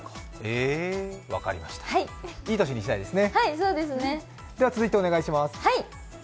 いい年にしたいですね。